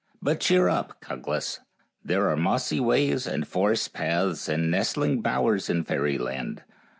But cheer up, Cuglas, there are mossy ways and forest paths and nestling bowers in fairyland.